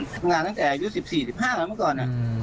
ทำงานตั้งแต่อายุ๑๔๑๕แล้วเมื่อก่อน